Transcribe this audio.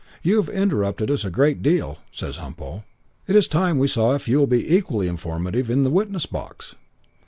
'You have interrupted us a great deal,' says Humpo. 'It is time we saw if you will be equally informative in the witness box.'